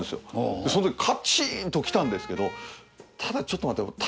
そのときカチーンときたんですけどただちょっと待てよ。